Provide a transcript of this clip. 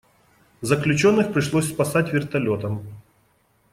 Заключенных пришлось спасать вертолётом.